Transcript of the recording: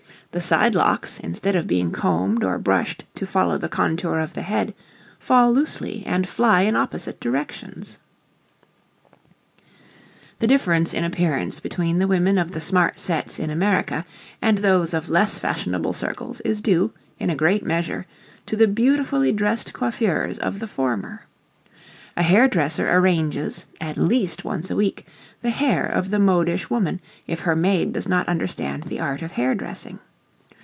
The side locks instead of being combed or brushed to follow the contour of the head, fall loosely and fly in opposite directions. [Illustration: NO. 2] The difference in appearance between the women of the smart sets in America and those of less fashionable circles is due, in a great measure, to the beautifully dressed coiffures of the former. A hair dresser arranges, at least once a week, the hair of the modish woman if her maid does not understand the art of hair dressing.